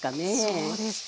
そうですか。